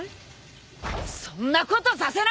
そんなことさせない！